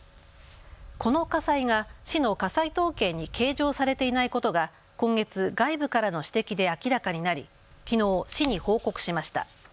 この火災が市の火災統計に計上されていないことが今月、外部からの指摘で明らかになりきのう、市に報告しました。